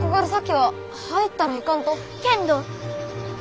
けんど！